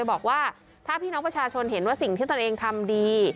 บอกว่าถ้าพี่น้องประชาชนเห็นว่าสิ่งที่ตนเองทำดี